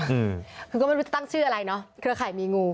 อืมคือก็ไม่รู้จะตั้งชื่ออะไรเนอะเครือข่ายมีงู